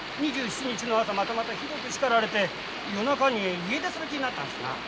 ２７日の朝またまたひどく叱られて夜中に家出する気になったんですな。